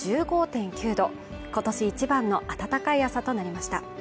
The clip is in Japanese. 今朝の東京の最低気温は１５．９℃、今年一番の暖かい朝となりました。